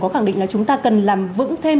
có khẳng định là chúng ta cần làm vững thêm